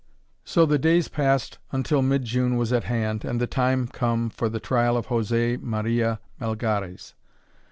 So the days passed until mid June was at hand and the time come for the trial of José Maria Melgares.